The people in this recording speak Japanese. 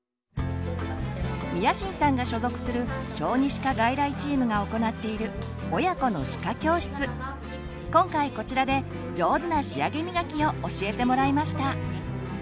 宮新さんが所属する小児歯科外来チームが行っている今回こちらで上手な仕上げみがきを教えてもらいました。